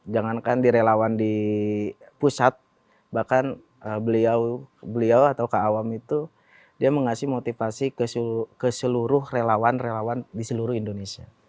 jangankan di relawan di pusat bahkan beliau atau kak awam itu dia mengasih motivasi ke seluruh relawan relawan di seluruh indonesia